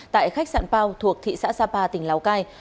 tại khách sạn pao thuộc thị xã sapa tỉnh lào cai